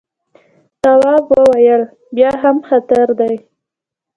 تواب وويل: بیا هم خطر دی.